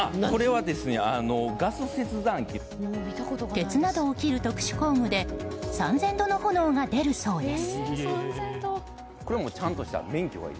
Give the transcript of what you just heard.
鉄などを切る特殊工具で３０００度の炎が出るそうです。